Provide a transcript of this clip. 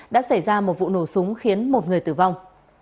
đã xảy ra một vụ nổ súng khiến một người tử vong